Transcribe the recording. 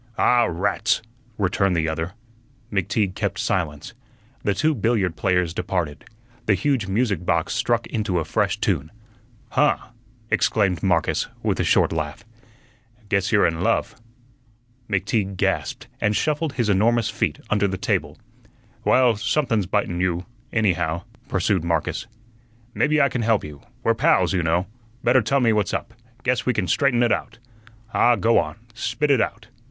"Ah, rats!" returned the other. McTeague kept silence. The two billiard players departed. The huge music box struck into a fresh tune. "Huh!" exclaimed Marcus, with a short laugh, "guess you're in love." McTeague gasped, and shuffled his enormous feet under the table. "Well, somethun's bitun you, anyhow," pursued Marcus. "Maybe I can help you. We're pals, you know. Better tell me what's up; guess we can straighten ut out. Ah, go on; spit ut out."